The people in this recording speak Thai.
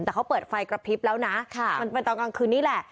แต่เขาเปิดไฟกระพริบแล้วนะมันเป็นตอนกลางคืนนี่แหละ